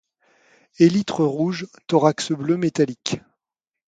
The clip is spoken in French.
Élytres rouges, thorax bleu métallique.